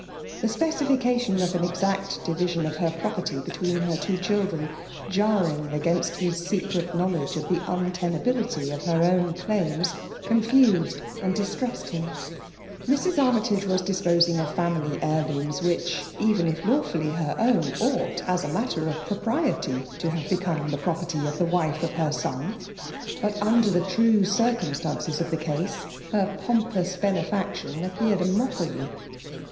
The speci fication of an exact division of her property between her two children, jarring against his secret knowledge of the untenability of her own daims, confused and distressed him. Mrs. Armytage was disposing of family heir^ Ido0ib, which, even if lawfully her own, ought, as a matter of pr<qpriety» to have become the property of the wife of her son ; but, under the lOi 9KIIALE D€m IK AIKIC tone cixettnatanees of ihe ctse, her pompooB benefaetioii appeared a mockeiy.